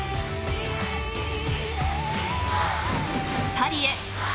［パリへ！